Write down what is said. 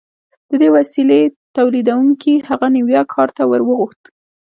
د دې وسیلې تولیدوونکي هغه نیویارک ښار ته ور وغوښت